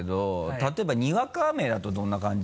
例えばにわか雨だとどんな感じ？